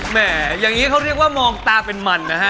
แม่อย่างนี้เขาเรียกว่ามองตาเป็นมันนะฮะ